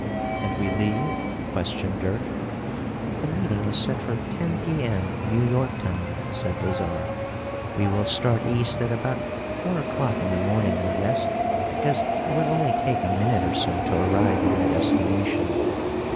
"And we leave?" questioned Dirk. "The meeting is set for ten P. M., New York time," said Lazarre. "We will start east at about four o'clock in the morning, I guess, because it will only take a minute or so to arrive at our destination."